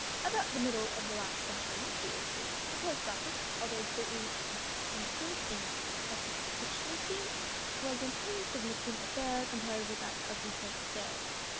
"About the middle of last century the eighteenth the Post Office, although greatly increased in efficiency, was an insignificant affair compared with that of the present day.